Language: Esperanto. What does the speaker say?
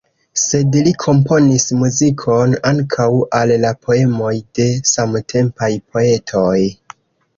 Sed li komponis muzikon ankaŭ al la poemoj de samtempaj poetoj.